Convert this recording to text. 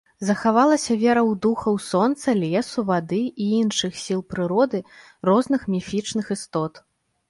Захавалася вера ў духаў сонца, лесу, вады і іншых сіл прыроды, розных міфічных істот.